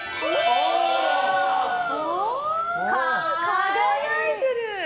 輝いてる！